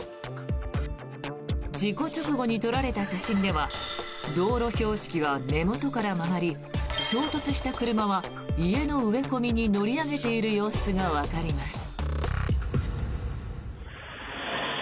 事故直後に撮られた写真では道路標識は根元から曲がり衝突した車は家の植え込みに乗り上げている様子がわかります。